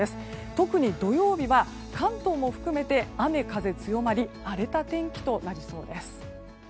特に土曜日は関東も含めて雨風強まり荒れた天気となりそうです。